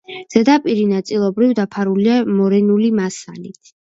ზედაპირი ნაწილობრივ დაფარულია მორენული მასალით.